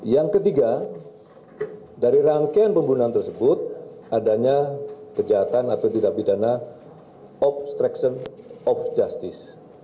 yang ketiga dari rangkaian pembunuhan tersebut adanya kejahatan atau tindak bidana obstruction of justice